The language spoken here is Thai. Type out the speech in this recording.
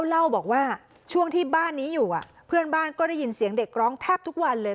เล่าบอกว่าช่วงที่บ้านนี้อยู่เพื่อนบ้านก็ได้ยินเสียงเด็กร้องแทบทุกวันเลย